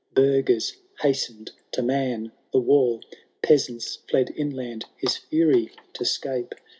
Burghers hastened to man the wall. Peasants fled inland his fury to *8cape.